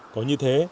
có như thế